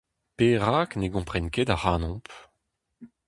Perak ne gompren ket ac'hanomp ?